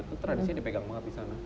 itu tradisinya dipegang maaf di sana